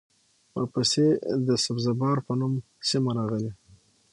ورپسې د سبزه بار په نوم سیمه راغلې